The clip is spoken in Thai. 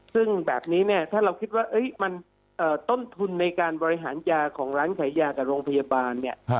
ซึ่งแบบนี้เนี่ยถ้าเราคิดว่ามันต้นทุนในการบริหารยาของร้านขายยากับโรงพยาบาลเนี่ย